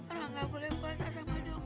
orang tidak boleh puasa dengan dokternya bang